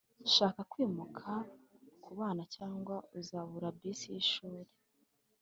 shaka kwimuka kubana cyangwa uzabura bisi yishuri.